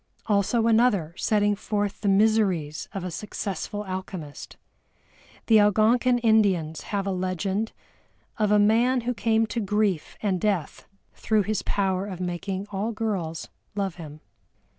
Also another setting forth the miseries of a successful alchemist. The Algonkin Indians have a legend of a man who came to grief and death through his power of making all girls love him.